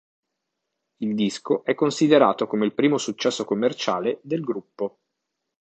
Il disco è considerato come il primo successo commerciale del gruppo.